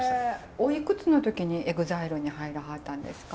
おいくつの時にＥＸＩＬＥに入らはったんですか？